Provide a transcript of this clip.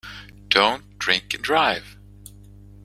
Don’t drink and drive.